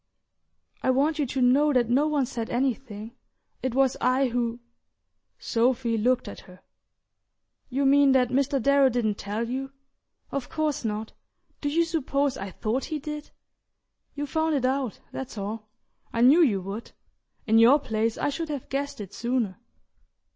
"I want you to know that no one said anything... It was I who..." Sophy looked at her. "You mean that Mr. Darrow didn't tell you? Of course not: do you suppose I thought he did? You found it out, that's all I knew you would. In your place I should have guessed it sooner."